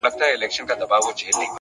مثبت چلند د شخړو تودوخه کموي!